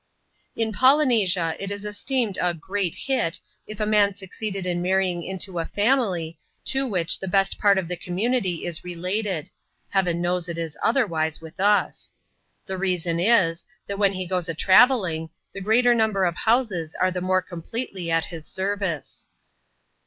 In Polynesia it is esteemed " a great hit," if a man succeed in marrying into a family, to which the best part of the commu nity is related (Heaven knows it is otherwise with us). The reason is, that when he goes a travelling, the greater number of houses are the more completely at his service.